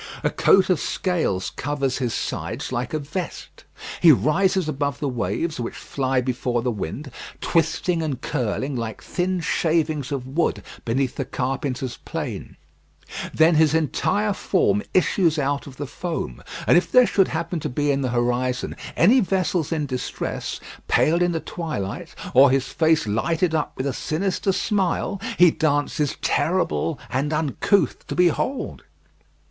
A coat of scales covers his sides like a vest. He rises above the waves which fly before the wind, twisting and curling like thin shavings of wood beneath the carpenter's plane. Then his entire form issues out of the foam, and if there should happen to be in the horizon any vessels in distress, pale in the twilight, or his face lighted up with a sinister smile, he dances terrible and uncouth to behold.